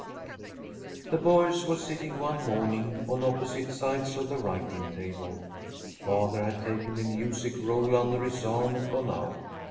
The boys were sitting one morning on opposite sides of the writing table. Father had taken a music roll under his arm and gone out.